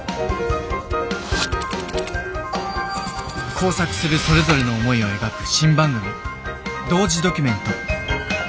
交錯するそれぞれの思いを描く新番組「同時ドキュメント」。